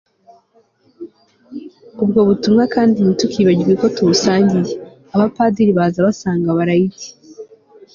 ubwo butumwa kandi ntitukibagirwe ko tubusangiye. abapadiri baza basanga abalayiki